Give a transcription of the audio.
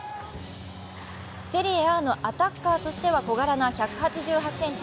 セリエＡのアタッカーとしては小柄な１８８ｃｍ。